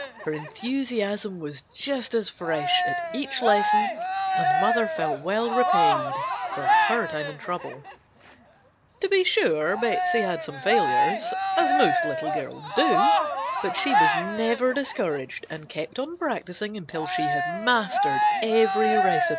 Her enthusiasm was just as fresh at each lesson and mother felt well repaid for her time and trouble. To be sure, Betsey had some failures, as most little girls do, but she was never discouraged and kept on practising until she had mastered every recipe.